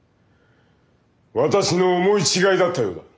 私の思い違いだったようだ。